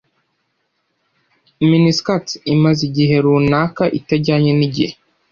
Miniskirts imaze igihe runaka itajyanye n'igihe.